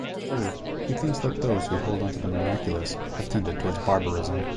Third, he thinks that those who hold onto the miraculous have tended towards barbarism.